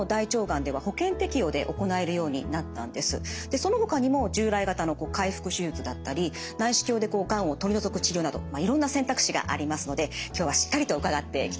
そのほかにも従来型の開腹手術だったり内視鏡でがんを取り除く治療などいろんな選択肢がありますので今日はしっかりと伺っていきたいですね。